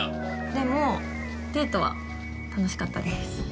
でもデートは楽しかったです。